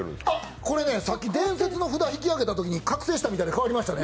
これ、伝説の札、引き上げたときに覚醒したみたいに変わりましたね。